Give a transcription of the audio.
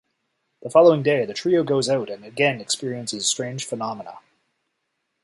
The following day the trio goes out and again experiences strange phenomena.